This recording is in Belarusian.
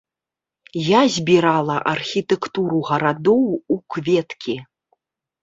Я збірала архітэктуру гарадоў у кветкі.